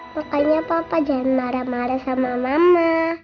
pokoknya papa jangan marah marah sama mama